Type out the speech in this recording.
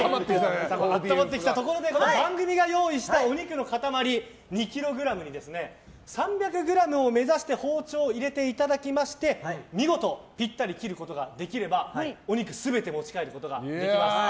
温まってきたところで番組が用意したお肉の塊２ｋｇに３００ｇを目指して包丁を入れていただきまして見事ピッタリ切ることができればお肉全て持ち帰ることができます。